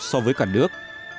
so với cả nước